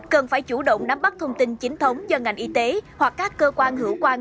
cần phải chủ động nắm bắt thông tin chính thống do ngành y tế hoặc các cơ quan hữu quan